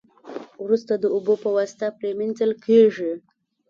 وروسته د اوبو په واسطه پری مینځل کیږي.